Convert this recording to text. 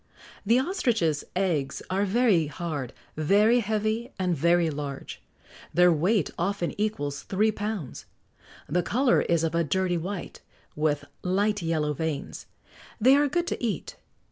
The ostrich's eggs are very hard, very heavy, and very large; their weight often equals three pounds. The colour is of a dirty white, with light yellow veins; they are good to eat.